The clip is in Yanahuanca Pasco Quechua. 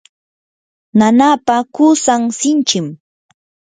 nanaapa qusan sinchim.